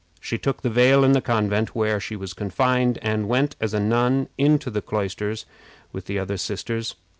She took the veil in the convent where she was confined, and went as a nun into the cloisters with the other sisters.